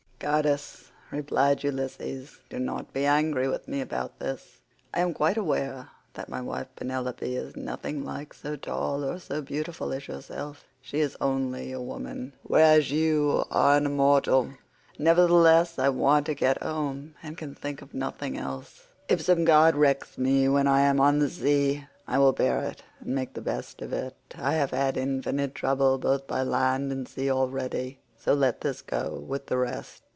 "Goddess," replied Ulysses, "do not be angry with me about this. I am quite aware that my wife Penelope is nothing like so tall or so beautiful as yourself. She is only a woman, whereas you are an immortal. Nevertheless, I want to get home, and can think of nothing else. If some god wrecks me when I am on the sea, I will bear it and make the best of it. I have had infinite trouble both by land and sea already, so let this go with the rest."